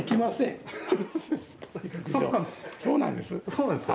そうなんですか。